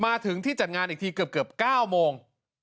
มาถึงที่จัดงานอีกทีเกือบ๙โมง